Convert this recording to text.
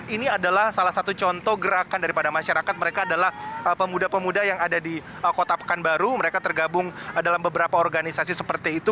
ini adalah salah satu contoh gerakan daripada masyarakat mereka adalah pemuda pemuda yang ada di kota pekanbaru mereka tergabung dalam beberapa organisasi seperti itu